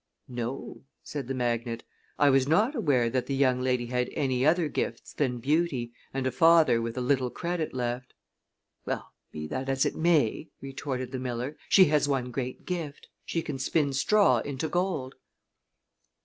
"No," said the magnate. "I was not aware that the young lady had any other gifts than beauty and a father with a little credit left." "Well, be that as it may," retorted the miller, "she has one great gift. She can spin straw into gold."